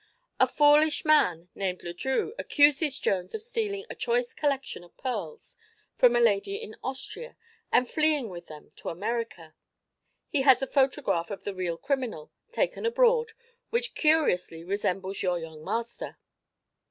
A foolish man named Le Drieux accuses Jones of stealing a choice collection of pearls from a lady in Austria and fleeing with them to America. He has a photograph of the real criminal, taken abroad, which curiously resembles your young master."